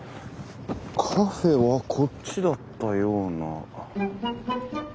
カフェはこっちだったような。